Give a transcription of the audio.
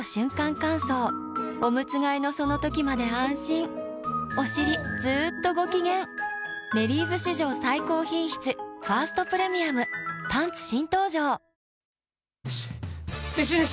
乾燥おむつ替えのその時まで安心おしりずっとご機嫌「メリーズ」史上最高品質「ファーストプレミアム」パンツ新登場！弟子。